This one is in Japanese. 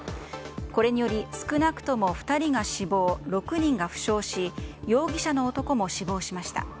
これにより少なくとも２人が死亡６人が負傷し容疑者の男も死亡しました。